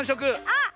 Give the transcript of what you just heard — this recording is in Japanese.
あっ！